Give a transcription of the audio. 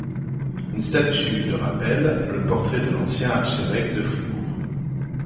Une statue de rappelle le portrait de l'ancien archevêque de Fribourg.